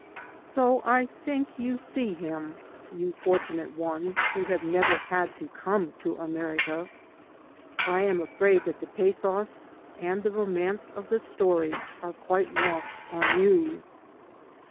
So, I think, you see him, you fortunate ones who have nev^ had^to come to America. I am afraid that the pathos and the romance of the stoty are quite lost <m you.